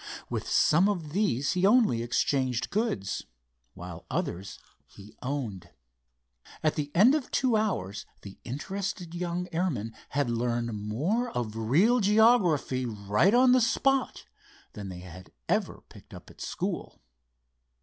With some of these he only exchanged goods, while others he owned. At the end of two hours the interested young airmen had learned more of real geography right on the spot than they had ever picked up at school.